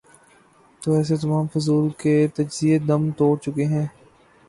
تو ایسے تمام فضول کے تجزیے دم توڑ چکے ہیں۔